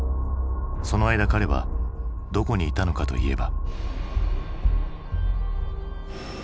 その間彼はどこにいたのかといえば。